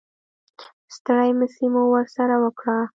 ستړې مسې مو ورسره وکړه.